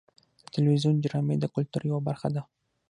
د تلویزیون ډرامې د کلتور یوه برخه ده.